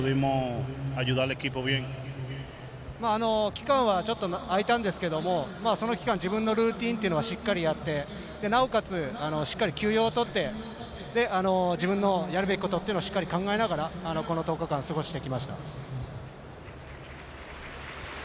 期間は空いたんですけどもその期間、自分のルーチンはしっかりやってなおかつ、しっかり休養をとって自分のやるべきことをしっかり考えながらこの１０日間過ごしてきました。